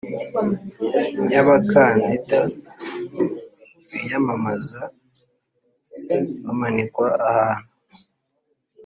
y abakandida biyamamaza bamanikwa ahantu